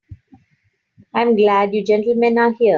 I'm glad you gentlemen are here.